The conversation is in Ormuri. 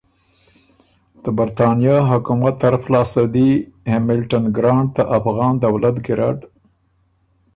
ته برطانیه حکومت طرف لاسته دی هېمِلټن ګرانټ ته افغان دولت ګیرډ